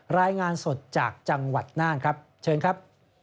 รายงานสดจากจังหวัดน่านครับเชิญครับ